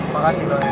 makasih bang egan